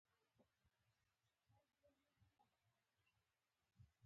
پیلوټ د الوتکې لاره سموي.